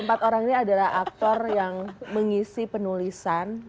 empat orang ini adalah aktor yang mengisi penulisan